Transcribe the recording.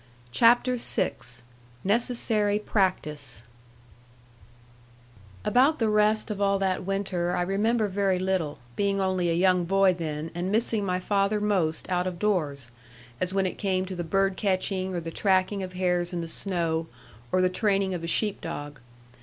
CHAPTER VI NECESSARY PRACTICE About the rest of all that winter I remember very little, being only a young boy then, and missing my father most out of doors, as when it came to the bird catching, or the tracking of hares in the snow, or the training of a sheep dog.